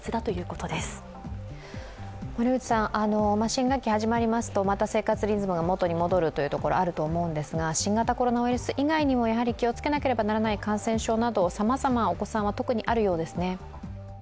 新学期が始まりますと、また生活リズムが元に戻るというところがあると思うんですが、新型コロナウイルス以外にも気をつけなければならない感染症など、さまざま、お子さんは特にあるようですね。